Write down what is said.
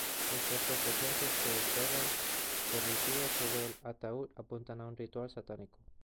Los restos recientes de cera derretida sobre el ataúd apuntan a un ritual satánico.